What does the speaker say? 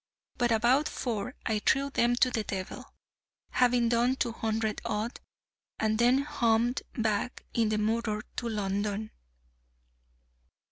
But about four I threw them to the devil, having done two hundred odd, and then hummed back in the motor to London.